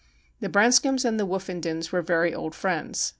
The Branscombes and the Woofendens were very old friends.